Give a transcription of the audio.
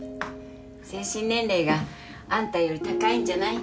精神年齢があんたより高いんじゃない？